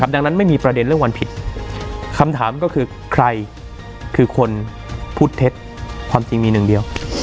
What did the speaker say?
ดังนั้นไม่มีประเด็นเรื่องวันผิดคำถามก็คือใครคือคนพูดเท็จความจริงมีหนึ่งเดียว